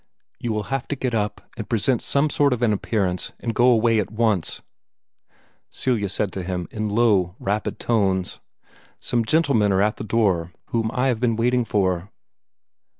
"You will have to get up, and present some sort of an appearance, and go away at once," Celia said to him in low, rapid tones. "Some gentlemen are at the door, whom I have been waiting for."